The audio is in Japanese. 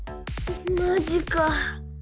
マジか。